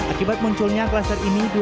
akibat munculnya kluster ini